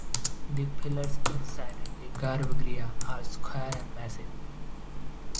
The pillars insider the garbhagriha are square and massive.